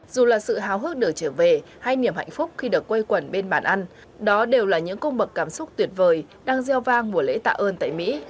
dù là sự hào hức được trở về hay niềm hạnh phúc khi được quây quần bên bàn ăn đó đều là những cung bậc cảm xúc tuyệt vời đang gieo vang mùa lễ tạ ơn tại mỹ